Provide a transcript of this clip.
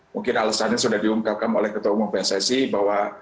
mungkin alasannya sudah diungkapkan oleh ketua umum pssi bahwa